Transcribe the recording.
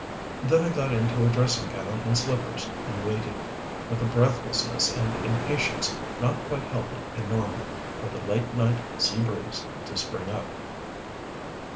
Then I got into a dressing gown and slippers and waited, with a breathlessness and impatience not quite healthy and normal, for the late night sea breeze to spring up.